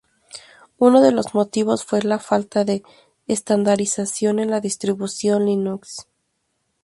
Uno de los motivos fue la falta de estandarización en las distribuciones Linux.